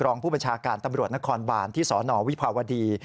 รองผู้บัญชาการตำรวจนครบานที่สนวิภาวดี